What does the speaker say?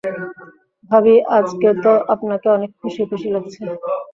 ভাবি, আজকে তো আপনাকে অনেক খুশি খুশি লাগছে।